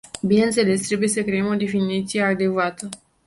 Bineînțeles, trebuie să creăm o definiție adecvată.